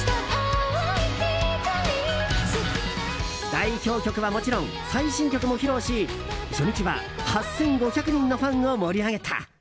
代表曲はもちろん最新曲も披露し初日は８５００人のファンを盛り上げた。